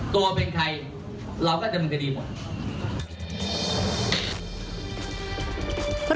ตัวเป็นใครเราก็ดำเนินคดีหมด